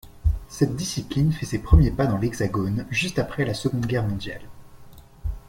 Cette discipline fait ses premiers pas dans l'hexagone juste après la Seconde Guerre mondiale.